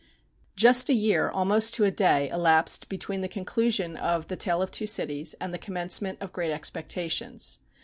Just a year, almost to a day, elapsed between the conclusion of "The Tale of Two Cities," and the commencement of "Great Expectations."